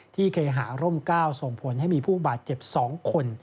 เคหาร่ม๙ส่งผลให้มีผู้บาดเจ็บ๒คน